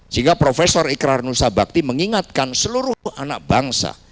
sehingga prof ikrar nusa bakti mengingatkan seluruh anak bangsa